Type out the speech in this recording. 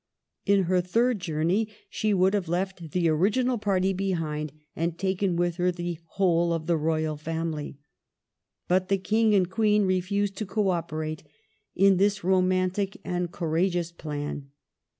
In her third journey she would have left the original party behind and taken with her the whole of the Royal Family. But the King and Queen refused to co operate in this romantic and courageous plan.